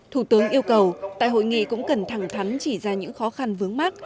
thủ tướng yêu cầu tại hội nghị cũng cần thẳng thắn chỉ ra những khó khăn vướng mắt